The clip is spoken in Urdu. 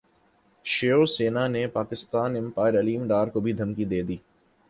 شیو سینا نے پاکستان امپائر علیم ڈار کو بھی دھمکی دے دی